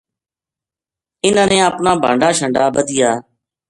اِنھاں نے اپنا بھانڈا شانڈا بَدھیا